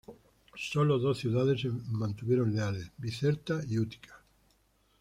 Sólo dos ciudades se mantuvieron leales: Bizerta y Útica.